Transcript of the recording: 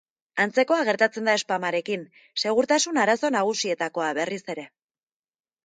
Antzekoa gertatzen da spamarekin, segurtasun arazo nagusietakoa berriz ere.